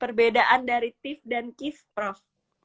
perbedaan dari tif dan kif prof